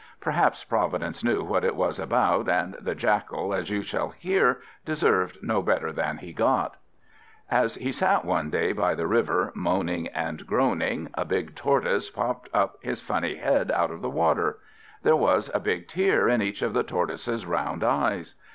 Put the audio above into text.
Perhaps Providence knew what it was about, and the Jackal, as you shall hear, deserved no better than he got. As he sat one day by the river, moaning and groaning, a big Tortoise popped up his funny head out of the water. There was a big tear in each of the Tortoise's round eyes.